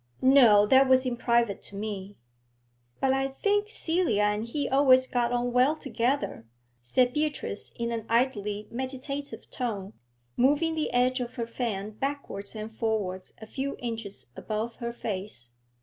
'No, that was in private to me.' 'But I think Celia and he always got on well together,' said Beatrice in an idly meditative tone, moving the edge of her fan backwards and forwards a few inches above her face.